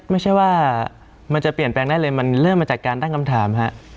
ไม่ใช่ว่ามันจะเปลี่ยนแปลงได้เลยมันเริ่มมาจากการตั้งคำถามฮะ